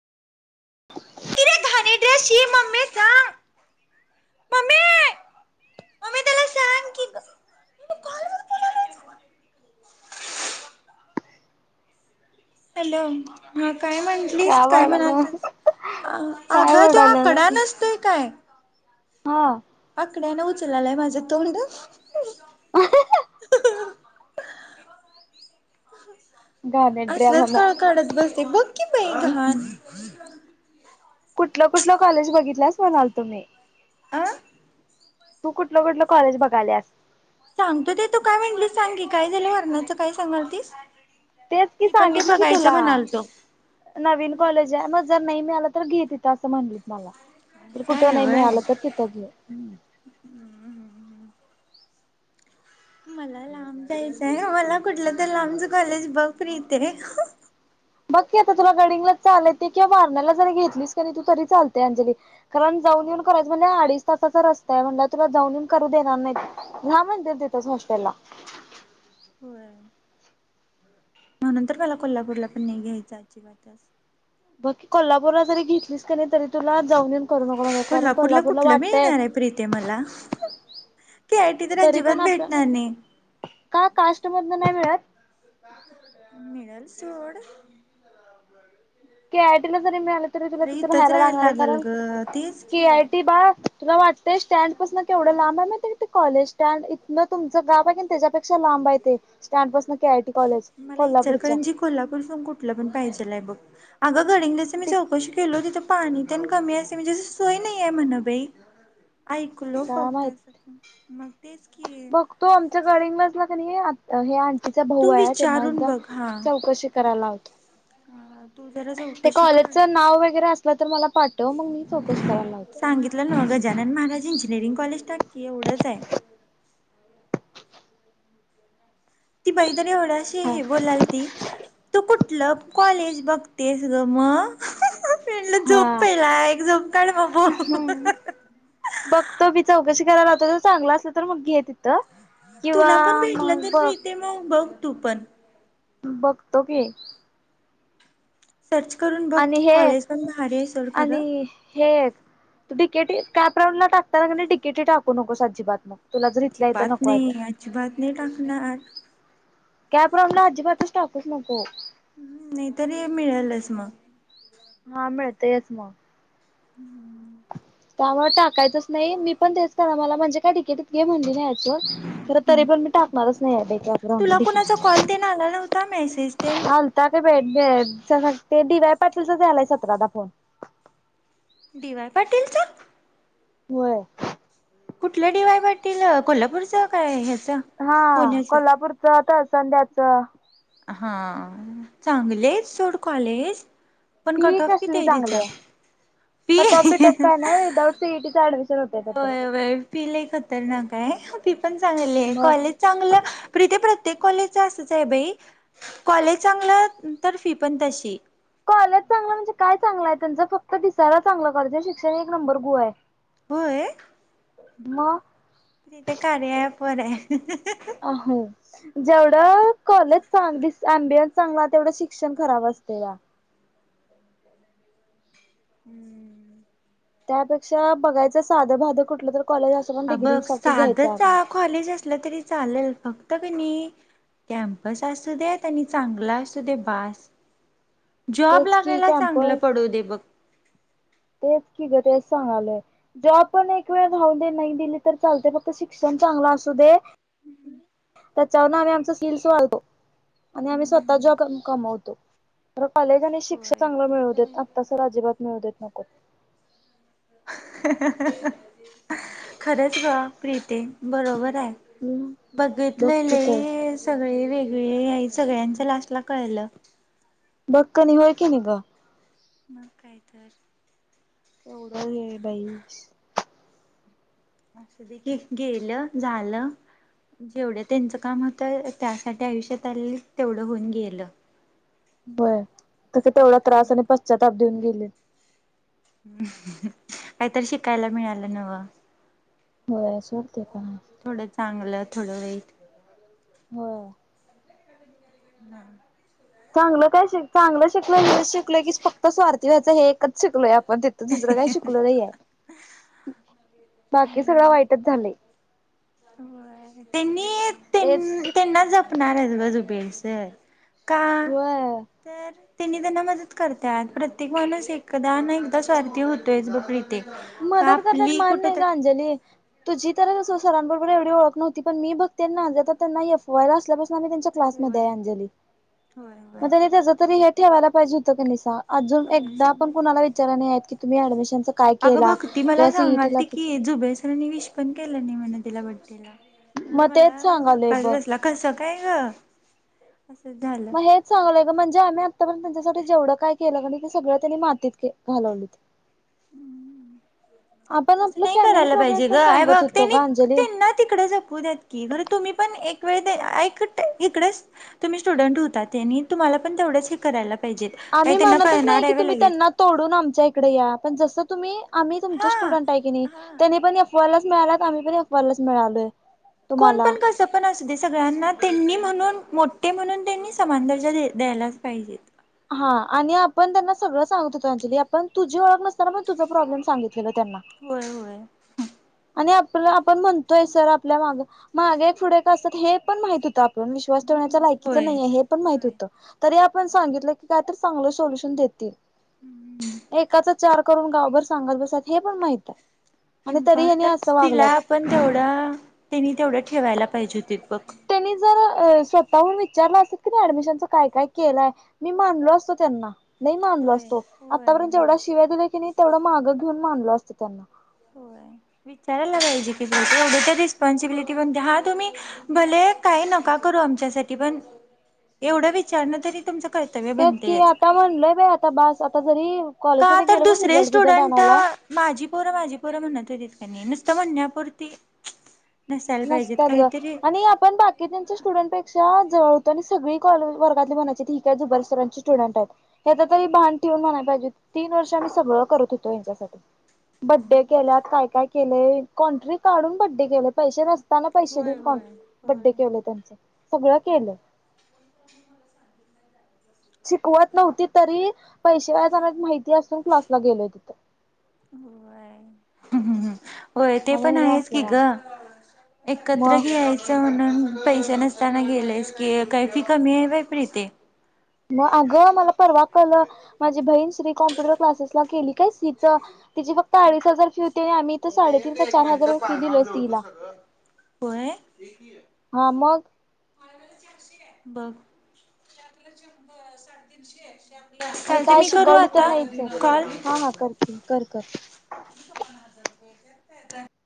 ती लय घाणेरडे हाय शी मम्मे जा मम्मी [inaudible] त्याला सांग की ग [inaudible] [inaudible] हॅलो हा [inaudible] काय म्हटलीस काय म्हणालतीस- अ- काय अग त वडाला आकडा नसतोय काय? हा आकड्यान उचललाय माझं तो म्हड घाणेरड्या असलंच म्हणा कळ काढत बसतय बघ की बाई घान [inaudible] कुठलं -कुठलं कॉलेज बघितल्यास म्हणालतो मी? आ.. तू कुठलं -कुठलं कॉलेज बघाल्यास सांगतो ते तू काय म्हणलीस सांग की काय झालं वरणाचं काय सांगालतीस? तेच कि मी पण ते सांगितलं की बघायचं तुला म्हणालतो नवीन कॉलेज आहे जर नाही मिळाल तर घे तिथं असं म्हणलीत मला असं कुठं आहे नाही व्हय मिळालं आलं तर तिथ घे मला लांब जायचंय मला कुठलं तर लांबच कॉलेज बघ प्रिते [inaudible] बग कि आता तुला गडहिंग्लजच चालतय किंवा वारणाला जरी घेतलीच का तू तरी चालते अंजली कारण जाऊ जा करायच म्हटल्यावर अडीच तासाचा रस्ता आहे म्हटल्यावर तुला जाऊन येऊन करू देणार नाही म्हण [inaudible] त्याच हॉस्टेलला [inaudible] होय म्हणून तर मला कोल्हापूरला पण नाही घ्यायचं अजिबातच बाकी कोल्हापूरला जरी घेतलीस का नाही तरी तुला जाऊन येऊन करू नको कारण कोल्हापूरला कुठलं वाटतय मिळणार आहे प्रीते मला. के आय टी तर तरी अजिबात पण भेटणार नाही. आपल्या- का कास्ट मध नाही मिळत? [inaudible] मिळल सोड के आयटीला जरी मिळालं तरी तुला खरं तिथे इथंच राहायला लागणार आहे लागल कारण ग तेच के की. आयटी बाळ तुला वाटतंय स्टँडपसन केवढं लांब आहे काय ते कॉलेज स्टँड इथं तुमच गाव आहे त्याच्यापेक्षा लांब लांब हाय ते स्टॅंड पसन मला इचलकरंजीत कोल्हापूर सोडून कुठला पण पाहिजेलाय बघ अग गडहिंग्लजला मी चौकशी केलो, तिथे पाणी तर कमी आहे म्हणजे सोय नाहीय म्हण बाई ऐकलो काय फक्त माहित अस मग तेच क [inaudible] बघतो आमच्या गडहिंग्लजला कणी आ हे आणंटीचा भाऊ तू आहे त्यांना विचारून एकदा बघ हा. चौकशी करायला हा तू जरा [inaudible] ते चौकशी कर. कॉलेजचं नाव वगैरे असलं तर मला पाठव मग मी चौकशी करायला लावतो. मग गजानन महाराज इंजिनिअरिंग कॉलेज टाक की एवढंच आहे [inaudible] ती बैकणी एवढ्याशी हे बोलाल ती तू कुठलं कॉलेज बघतेस ग म [inaudible] पेंडलं झोप हा पहिला एक झोप काढ म बोल [inaudible] बघतो मी चौकशी करायला लावतो जर चांगला असलं तर मग घे ति तिथं किंवा तुला पण भेटलं मग तर बघ मिळते मग बघ तू पण बघतो की सर्च करून बघ आणि हे एक कॉलेज पण भारी आहे सोड आणि खरं हे एक तु डिकेटी कॅप राऊंडला टाकताना कणी डिकेटी टाकू नकोस अजीबात म अजीबात नाही अजिबात नाही टाकणार कॅप राऊंडला अजिबातच टाकूच नको हम् नाही तरी मिळेलच मग हा मिळतयच मग, [unintelligible] त्यामुळे टाकायचंच नाही मी पण तेच करा मला म्हणजे काय तिकिटत घे म्हणली तरी पण मी टाकणारच नाही. [unintelligible] तुला दि कुणाचा कॉल तेन आला नव्हता मेसेज तेन हलताक बे ते डी वाय पाटीलचा झालाय सतराला फोन दिवाय पाटीलच होय, कुठलं डीवाय वाटील कोल्हापूरचं काय हा पुण्याचं कोल्हापूरच तर संध्याच हा चांगलेच सोड कॉलेज पण फी कट ऑफ किती कसली आहे चांगली तिचा फी कटॉप बिटॉप काय नाही विदाउट सीईटीच ऍडमिशन होतय त्यात पिला खतरनाकय हाय पण चांग मग कॉलेज चांगलं प्री प्र ते कॉलेज असच आहे बाई कॉलेज चांगलं तर फी पण तशी कॉलेज चांगलं म्हणजे काय चांगलं आहे त्यांच फक्त दिसाला चांगलं कॉलेजे शिक्षण एक नंबर गु आहे होय, [inaudible] मग तथ कार प आहे. अ जेवढं कॉलेज चांग दिस अम्बियन्स चांगला तेवढं शिक्षण खराब असते का हम्म, त्यापेक्षा बघायचं साधं भाधं कुठलं तर कॉलेज असं पण अ डिग्री बघ साठी घ्यायचं आपण साधं कॉलेज असलं तरी चालेल फक्त फत क नाही कॅम्पस असू देेत आणि चांगला असू दे भास जॉब तेच की लागायला चांगलं कॅम्पस पडो दे बघ तेच कि ग ते सांगलय जो आपण एक वेळ धावून दे नाही दिली तर चालते फक्त शिक्षण चांगला असू दे त्याच्यावर आम्ही आमचा स्किल्स वाढतो आणि आम्ही स्वतः जॉ कमवतो कॉलेज आणि शिक्षण होय चांगलं ते मिळू तर देत आहे. आत्तास अजिबात मिळू देत नको खरंच वा प्रीते बरोबर हम्म बघ बघितलं की ल तर सग वेगळे आहे सगळ्यांच लास्ट ला कळलं बक्कनी होय की निघा मग काय तर तेवढं हे बाई असं देखी गेलं झालं जेवढं त्यांचं काम होतं त्यासाठी आयुष्यात आले तेवढं होऊन गेलं होय तस परत तेवढा काय त्रास आणि नको. पश्चाताप देऊन गेले काहीतरी शिकायला मिळालं नव हो सोड ते पण का? चांगलं थोडं वाईट हो, ह, चांगलं काय श चांगलं शिकल हे शिकलोय की फक्त स्वारथी व्हायचं हे एकच शिकलोय पण तिथ दुसरं काही शिकललं आहे बाकी सगळं वाईटच झालं त्यांनी तेच त्यांना जपणार आहे त बाजुबेंच का होय तर तने त्यांना मदत करतात प्रत्येक माणूस एकत एकदा ना एकदा स्वार्थी होतोयच बघ प्रत्येक मदत करतात मान नाही का अंजली तुझी सरांबरोबर एवढी ओळख नव्हती पण म बघते त्यांनाता त्यांनाफयर असल्या त्यांच्या क्लास मधी होय आहे अंजली होय मग होय त्याच जरा तरी हे ठेवायला पाहिजे होत नि अजून होय एकदा पण शंभर कुणाला टक्के विचार नाही आहेत की, तुम्ही ऍडमिशनच काय अगं केला भक्ती मला किंवा सीईटी ला सांगालती की, किती, जुबेर सरांनी विश पण केलं नाही म्हणे तिला बड्डेला. म्हणलं, मग तेच मला सांगालोय धक्काच बघ बसला कसं काय गं? मग हेच सांगायलोय ग म्हणजे आम्ही आत्तापर्यंत त्यांच्यासाठी जेवढं काय केलं की नाय ते सगळं त्यांनी मातीत के घालवलेत. असं नाही करायला पाहिजे गं हे बघ ग त्यांनी अंजली त्यांना तिकडे जपू द्यात की, खरं तुम्ही पण एक एक वेळ ते ऐकटे इकडेच तुम्ही स्टुडंट होता तेनी तुम्हाला पण तेवढंच हे करायला पाहिजेत आम्ही काही त्यांना म्हणतच नाही कळणार की आहे तुम्ही लगेच त्यांना तोडून आमच्या इकडे या, पण जसं तुम्ही आम्ही तुमचे हा स्टुडंट आहे की नाही, हा त्यांनी पण एफ वायलाच मिळालात आम्ही पण एफ वायलाच मिळालोय. कोण तुम्हाला पण कसं पण असु दे सगळ्यांना त्यांनी म्हणून मोठे म्हणून त्यांनी समान दर्जा द द्यायलाच पाहिजे. हा, आणि आपण त्यांना सगळं सांगत होतो अंजली आपण तुझी ओळख नसताना पण तुझा प्रॉब्लेम सांगित होय होय. आणि आप आपला आपण म्हणतोय सर आपल्या मागं मागे एक पुढे एक असतात हे पण माहित होतं आ कोण विश्वास ठेवण्याचा लायकीच होय नाहीे, हे पण माहित होय होतं, ‌ तरी आप सांगितलं की काय तर चांगल सोलुशन देतील, एकाचं‌ चार करून गावभर सांगत बसात हे पण माहित आहे, आणि तरी ह्यानी इम्पॉर्टन्स असं दिला वागलात आपण तेवढं, त्यांनी तेवढं ठेवायला पाहिजे होते बघ त्यांनी जर अ स्वतःहून विचारलं असतं की ऍडमिशनचं काय काय केलंय मी मानलो असतो त्यांना, लई मानलो होय असतो, होय आतापर्यंत जेवढा होय शिव्या दिला की नाही तेवढं मागं घेऊन मानलो असतं त्यांना. होय [inaudible] विचारायला पायजे की एवढं रिस्पॉन्सिबिलिटी पण हा तुम्ही भले काय नका करू नका आमच्यासाठी पण, एवढं विचारनं तरी तुमचं कर्तव्य तेच कि बनतेच आता म्हणलंय बाई आता बस आता जरी का कॉलेजमध्ये तर गेलो पण दुसरे रिझल्ट बिझल्ट स्टुडंट, आणायला माझी पोरं माझी पोरं म्हणत होतीत क नाय नी नुसतं म्हणण्यापूर्ती नसत्यात गं, आणि आपण बाकीच्यांच्या स्टुडंट पेक्षा जवळ आणि सगळी कॉ वर्गातले म्हणायचे ही तर जुबेर सरांची स्टुडंट आहे, ह्याचं तरी भान ठेवून म्हणाय पाहिजे तीन वर्ष आम्ही सगळं करत होतो यांच्यासाठी. बड्डे केल्यात काय काय केलेय, कॉन्ट्री काढून बड्डे केले. पैसे नसताना पैसे होय देऊन कॉ होय बड्डे होय केलेय त्यांचं सगळं केलंय. [inaudible] शिकवत नव्हती तरी पैशे वाया जात माहिती ती असून क्लासला गेलोय तिथं. हम् हम् हम होय ते आणि पण हेनी आहेच असलं की वागं ग, एकत्र मग घेयायचं म्हणून पैसे नसताना गेलेस की, काही फी कमी आहे व्हय प्रीती मग अगं मला परवा कळलं माझी बहीण श्री कॉम्प्युटर क्लासेस ला केली काय सीचं तिची फक्त अडीच हजार फी होती आणि आम्ही इथं साडेतीन ते चार हजार रुपये फी दिलोय सीईला होय? [inaudible] बघ‌ [unintelligible] साडेतीनशे आणि चालतंय काय मी करू शिकवली तर आता नाहीच आहे कॉल? हा हा करते कर कर [unintelligible]